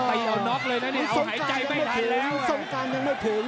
ตายเอาน็อคเลยนะนี่เอาหายใจไม่ถึงแล้วสงการยังไม่ถึงสงการยังไม่ถึง